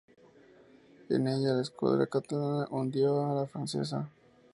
En ella la escuadra catalana hundió a la francesa.